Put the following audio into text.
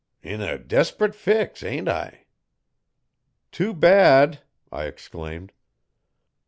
'In a desp'rit fix, ain't I?' 'Too bad!' I exclaimed.